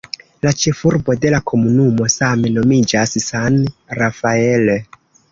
La ĉefurbo de la komunumo same nomiĝas "San Rafael".